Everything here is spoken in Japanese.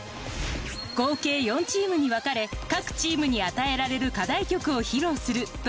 合計４チームに分かれ各チームに与えられる課題曲を披露するというもの。